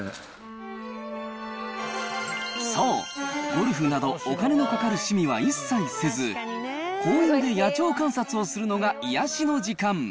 そう、ゴルフなどお金のかかる趣味は一切せず、公園で野鳥観察をするのが癒やしの時間。